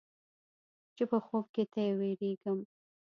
چې په خوب کې تې وېرېږم.